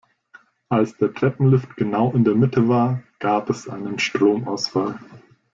Als der Treppenlift genau in der Mitte war, gab es einen Stromausfall.